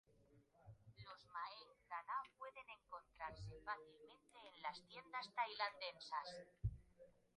Los maeng-da-na pueden encontrarse fácilmente en las tiendas tailandesas.